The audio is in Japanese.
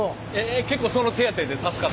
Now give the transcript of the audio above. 結構その手当で助かってる？